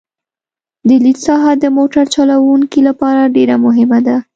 د لید ساحه د موټر چلوونکي لپاره ډېره مهمه ده